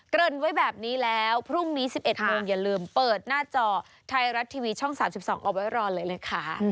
ริ่นไว้แบบนี้แล้วพรุ่งนี้๑๑โมงอย่าลืมเปิดหน้าจอไทยรัฐทีวีช่อง๓๒เอาไว้รอเลยเลยค่ะ